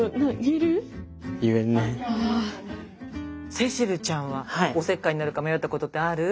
聖秋流ちゃんはおせっかいになるか迷ったことってある？